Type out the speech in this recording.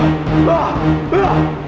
ayo dombra permisi denganku